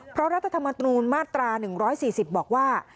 เพราะรัฐธรรมนูลมาตรา๑๔๐บอกว่า